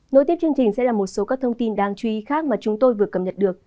nối tiếp chương trình sẽ là một số các thông tin đáng chú ý khác mà chúng tôi vừa cập nhật được